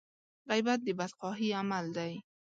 غيبت د بدخواهي عمل دی.